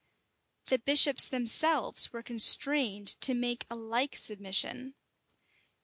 The bishops themselves were constrained to make a like submission.